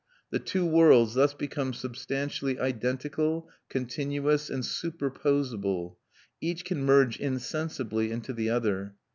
The two worlds thus become substantially identical, continuous, and superposable; each can merge insensibly into the other.